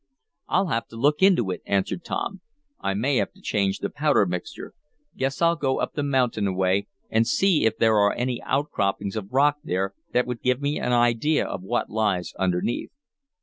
"I'll have to look into it," answered Tom. "I may have to change the powder mixture. Guess I'll go up the mountain a way, and see if there are any outcroppings of rock there that would give me an idea of what lies underneath."